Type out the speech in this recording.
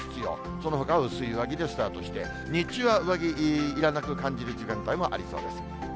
そのほかは薄い上着でスタートして、日中は上着、いらなく感じる時間帯もありそうです。